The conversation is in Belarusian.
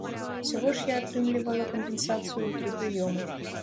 Усяго ж я атрымлівала кампенсацыю ў тры прыёмы.